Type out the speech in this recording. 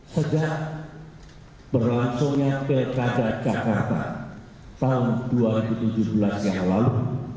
sejak berlangsungnya pilkada jakarta tahun dua ribu tujuh belas yang lalu